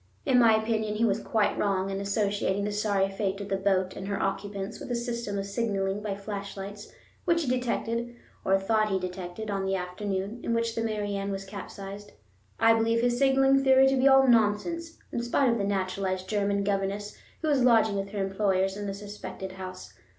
In my opinion he was quite wrong in associating the sorry fate of the boat and her occupants with a system of signaling by flashlights which he detected or thought that he detected, on the afternoon in which the Mary Ann was capsized. I believe his signaling theory to be all nonsense, in spite of the naturalized German governess who was lodging with her employers in the suspected house.